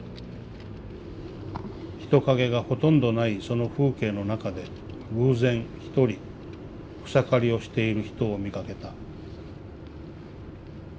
「人影がほとんどないその風景の中で偶然ひとり草刈りをしている人を見かけた」。